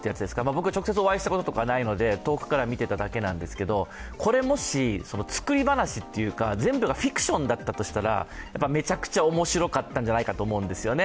僕、直接お会いしたこととかないので、遠くから見ていただけですけど、これ、もし作り話というか全部がフィクションだったとしたらやっぱめちゃくちゃ面白かったんじゃないかと思うんですよね。